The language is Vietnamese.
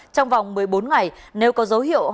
trong vòng một mươi bốn ngày nếu có dấu hiệu